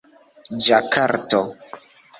ĝakarto